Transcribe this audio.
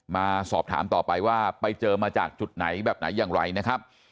มาสอบถามต่อไปว่าไปเจอมาจากจุดไหนแบบไหนอย่างไรนะครับ